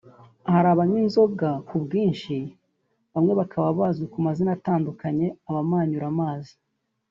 Hari abanywa inzoga ku bwinshi bamwe bakaba bazwi ku mazina atandukanye Abamanyuramazi